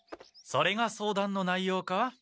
それが相談の内ようか？